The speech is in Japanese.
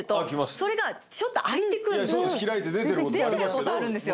それがちょっと開いてくる出てることあるんですよ